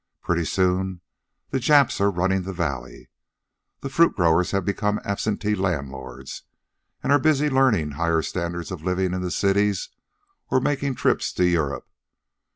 Pretty soon the Japs are running the valley. The fruit growers have become absentee landlords and are busy learning higher standards of living in the cities or making trips to Europe.